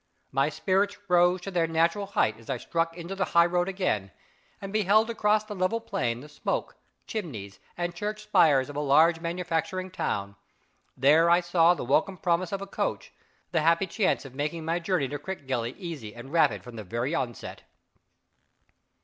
My spirits rose to their natural height as I struck into the highroad again, and beheld across the level plain the smoke, chimneys, and church spires of a large manufacturing town. There I saw the welcome promise of a coach the happy chance of making my journey to Crickgelly easy and rapid from the very outset.